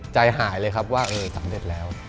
ใจหายเลยครับว่าสำเร็จแล้ว